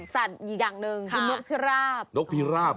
สัตว์อีกอย่างหนึ่งคือนกพี่ราบ